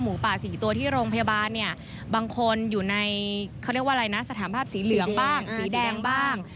หมูป่าสีตัวที่โรงพยาบาลบางคนอยู่ในสถานภาพสีเหลืองบ้างสีแดงบ้าง